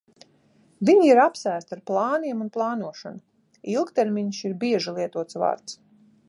Viņi ir apsēsti ar plāniem un plānošanu. Ilgtermiņš ir bieži lietots vārds.